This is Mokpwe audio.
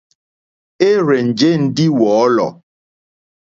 É rzènjé ndí wɔ̌lɔ̀.